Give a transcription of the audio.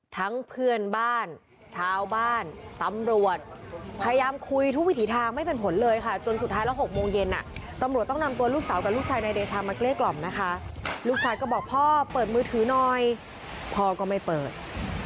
ทั้งเพื่อนบ้านชาวบ้านสำรวจพยายามคุยทุกวิธีทางไม่เป็นผลเลยค่ะจนสุดท้ายแล้ว๖โมงเย็นน่ะตำรวจต้องนำตัวลูกสาวกับลูกชายในเดชามาเกรกกล่อมนะคะลูกชายก็บอกพ่อเปิดมือถือน้อยพอก็ไม่เปิดสุดท้ายแล้ว๖โมงเย็นน่ะตำรวจต้องนำตัวลูกสาวกับลูกชายในเดชามาเกรกกล่อมนะคะลูกชายก็บอก